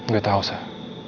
gue tau sah